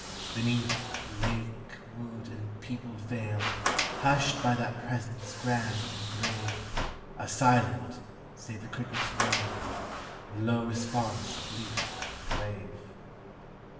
Beneath, lake, wood, and peopled vale, Hushed by that presence grand and grave, Are silent, save the cricket's wail, And low response of leaf and wave.